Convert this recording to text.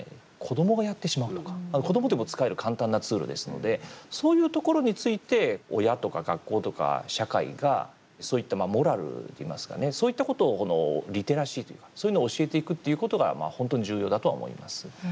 子どもでも使える簡単なツールですのでそういうところについて親とか学校とか社会がそういったモラルといいますかねそういったことをリテラシーというかそういうのを教えていくっていうことが本当に重要だとは思います。